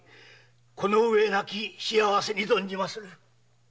この上なき幸せに存じまする。